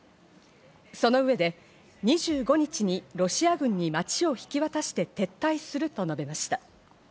その上で、２５日にロシア軍に町を引き渡して撤退すると述べました。